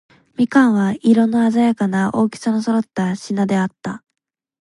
蜜柑は、色のあざやかな、大きさの揃った品であった。